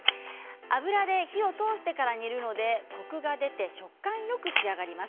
油で火を通してから煮るのでコクが出て食感よく仕上がります。